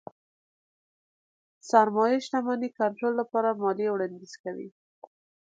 سرمايې شتمنۍ کنټرول لپاره ماليې وړانديز کوي.